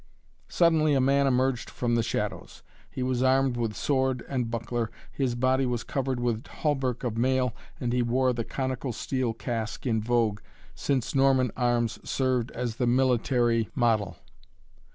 Suddenly a man emerged from the shadows. He was armed with sword and buckler, his body was covered with hauberk of mail and he wore the conical steel casque in vogue since Norman arms served as the military model.